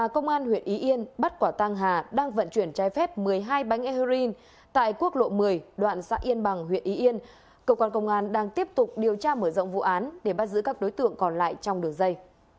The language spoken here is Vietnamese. cơ quan công an đang tiếp tục điều tra mở rộng vụ án để bắt giữ các đối tượng còn lại trong đường dây